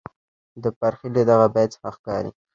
د فرخي له دغه بیت څخه ښکاري،